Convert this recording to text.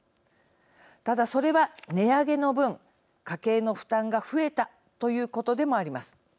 ただ、それは値上げの分家計の負担が増えたということでもあります。